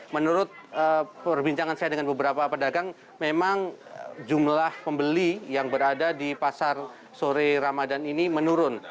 menurut perbincangan saya dengan beberapa pedagang memang jumlah pembeli yang berada di pasar sore ramadan ini menurun